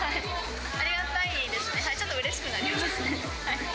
ありがたいですね、ちょっとうれしくなりますね。